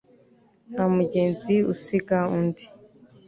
nta mugenzi usiga undi